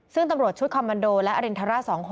ซึ่งตำรวจชุดคอมมันโดและอรินทราช๒๖